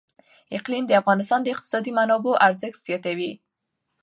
اقلیم د افغانستان د اقتصادي منابعو ارزښت زیاتوي.